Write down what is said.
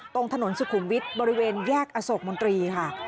ตรงถนนสุขุมวิทย์บริเวณแยกอโศกมนตรีค่ะ